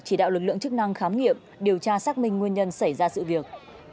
chỉ đạo lực lượng chức năng khám nghiệm điều tra xác minh nguyên nhân xảy ra sự việc